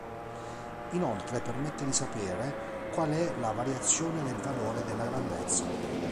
Inoltre permette di sapere qual è la variazione del valore della grandezza.